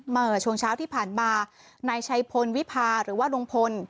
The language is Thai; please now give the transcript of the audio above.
เมื่อช่วงเช้าที่ผ่านมานายชัยพลวิพาหรือว่าลุงพล